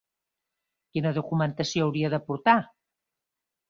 Quina documentació hauria de portar?